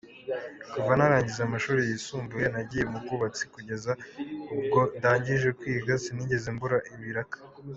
Kuva narangiza amashuri yisumbuye nagiye mu bwubatsi kugeza ubwo ndangije kwiga, sinigeze mbura ibiraka".